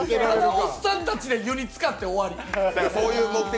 おっさんたちで湯につかって終わり。